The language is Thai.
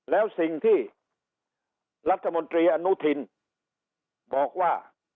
แล้วสิ่งที่รัฐมนตรีอนุทินบอกว่า